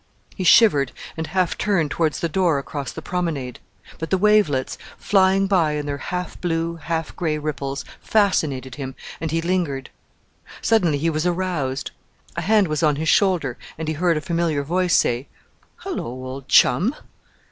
He shivered, and half turned towards the door across the promenade; but the wavelets, flying by in their half blue, half grey ripples, fascinated him, and he lingered. Suddenly he was aroused a hand was on his shoulder, and he heard a familiar voice say, "Hullo, old chum!"